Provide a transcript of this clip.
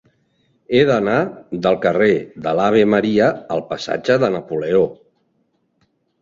He d'anar del carrer de l'Ave Maria al passatge de Napoleó.